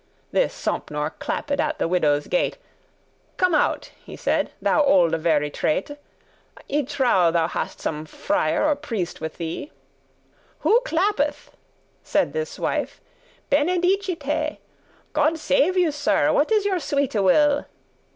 This Sompnour clapped at the widow's gate: "Come out," he said, "thou olde very trate;* *trot <15> I trow thou hast some friar or priest with thee." "Who clappeth?" said this wife; "benedicite, God save you, Sir, what is your sweete will?"